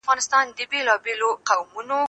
زه اجازه لرم چي سبزیجات جمع کړم!.